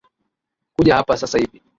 Kuja hapa sasa hivi